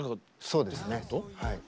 そうですねはい。